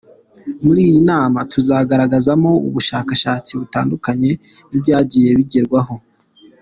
Muri iyi nama tuzagaragazamo ubushakashatsi butandukanye n’ibyagiye bigerwaho”.